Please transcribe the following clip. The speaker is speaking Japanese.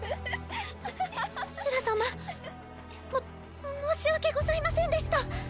シュラさまも申し訳ございませんでした。